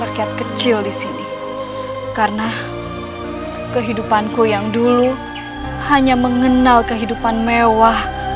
apakah mereka orang suruhanan gabuasa